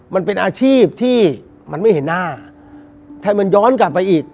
มันเป็นอาชีพที่มันไม่เห็นหน้าถ้ามันย้อนกลับไปอีก